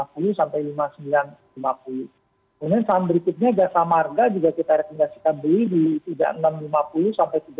kemudian saham berikutnya gasa marga juga kita rekomendasikan beli di tiga ribu enam ratus lima puluh tiga ribu tujuh ratus dua puluh